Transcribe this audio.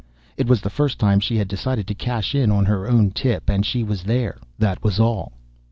It was the first time she had decided to cash in on her own tip and she was there that was all.